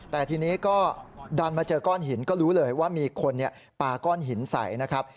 แต่ทีนี้ก็ดันมาเจอก้อนหินก็รู้เลยว่ามีคนปาก้อนหินใส่นะครับ